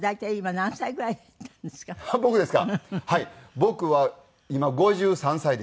僕は今５３歳です。